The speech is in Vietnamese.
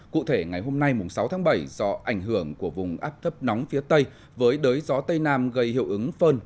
cụ thể ngày hôm nay sáu tháng bảy do ảnh hưởng của vùng áp thấp nóng phía tây với đới gió tây nam gây hiệu ứng phơn